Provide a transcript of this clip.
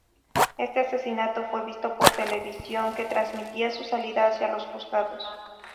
Este asesinato fue visto por televisión que transmitía su salida hacia los juzgados.